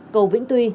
cầu vĩnh tuy